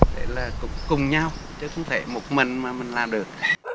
để là cùng nhau chứ không thể một mình mà mình làm được